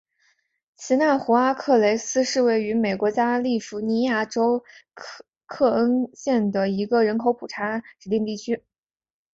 奇纳湖阿克雷斯是位于美国加利福尼亚州克恩县的一个人口普查指定地区。